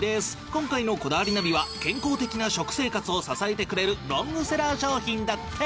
今回の『こだわりナビ』は健康的な食生活を支えてくれるロングセラー商品だって。